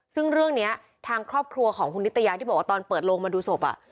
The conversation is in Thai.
ซึ่งเรื่องนี้ทางครอบครัวของคุณนิตยาที่บอกว่าตอนเปิดโลงมาดูศพ